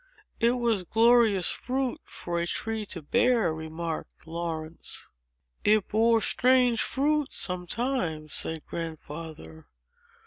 "It was glorious fruit for a tree to bear," remarked Laurence. [Image #3] "It bore strange fruit, sometimes," said Grandfather.